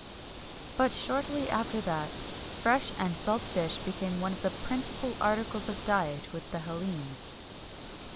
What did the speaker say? But shortly after that, fresh and salt fish became one of the principal articles of diet with the Hellenes.